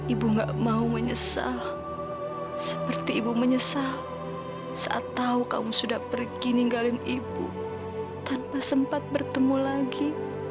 ibu gak mau menyesal seperti ibu menyesal saat tahu kamu sudah pergi ninggalin ibu tanpa sempat bertemu lagi